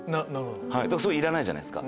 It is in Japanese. それいらないじゃないですか